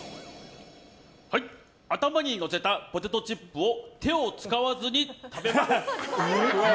頭にのせたポテトチップスを手を使わずに食べます！